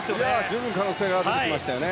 十分可能性が出てきましたよね。